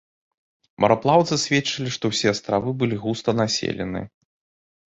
Мараплаўцы сведчылі, што ўсе астравы былі густа населены.